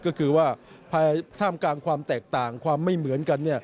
ก็คือว่าภายท่ามกลางความแตกต่างความไม่เหมือนกัน